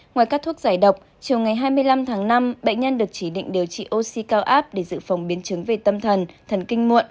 ngoài các thuốc giải độc chiều ngày hai mươi năm tháng năm bệnh nhân được chỉ định điều trị oxy cao áp để dự phòng biến chứng về tâm thần thần kinh muộn